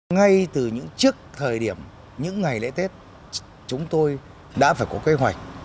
ngay từ những trước thời điểm những ngày lễ tết chúng tôi đã phải có kế hoạch